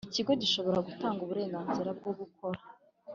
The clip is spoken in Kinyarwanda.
Ikigo gishobora gutanga uburenganzira bwo gukora